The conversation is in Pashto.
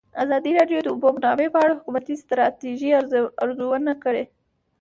ازادي راډیو د د اوبو منابع په اړه د حکومتي ستراتیژۍ ارزونه کړې.